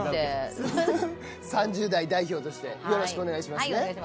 ３０代代表としてよろしくお願いしますね。